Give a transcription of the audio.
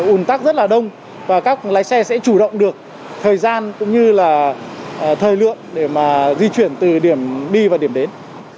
ủn tắc rất là đông và các lái xe sẽ chủ động được thời gian cũng như là thời lượng để mà di chuyển từ điểm đi và điểm đến